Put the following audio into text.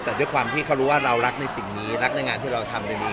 แต่ด้วยความที่เขารู้ว่าเรารักในสิ่งนี้รักในงานที่เราทำในนี้